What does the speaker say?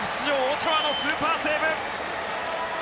オチョアのスーパーセーブ！